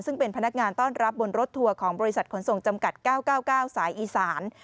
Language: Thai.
ซึ่งเป็นพนักงานต้อนรับบนรถทัวร์ของบริษัทขนส่งจำกัด๙๙๙สายอีสาน